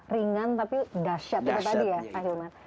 ringan tapi dahsyat itu tadi ya ahilman